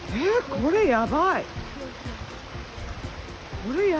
これ、やばい。